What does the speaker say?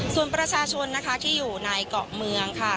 ส่วนประชาชนนะคะที่อยู่ในเกาะเมืองค่ะ